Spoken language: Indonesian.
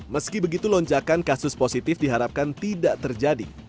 meski begitu lonjakan kasus positif diharapkan tidak terjadi